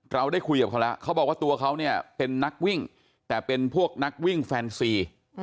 เราได้คุยกับเขาแล้วเขาบอกว่าตัวเขาเนี่ยเป็นนักวิ่งแต่เป็นพวกนักวิ่งแฟนซี